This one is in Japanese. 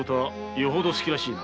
よほど好きらしいな。